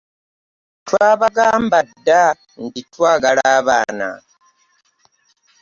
Twabagamba dda nti twagala abaana.